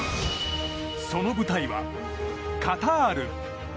その舞台はカタール。